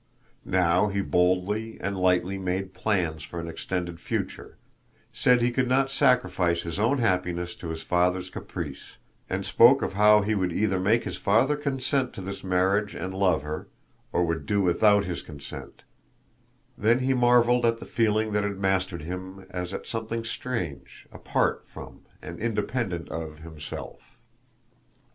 Now he boldly and lightly made plans for an extended future, said he could not sacrifice his own happiness to his father's caprice, and spoke of how he would either make his father consent to this marriage and love her, or would do without his consent; then he marveled at the feeling that had mastered him as at something strange, apart from and independent of himself.